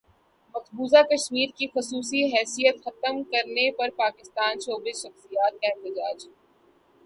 مقبوضہ کشمیر کی خصوصی حیثیت ختم کرنے پر پاکستانی شوبز شخصیات کا احتجاج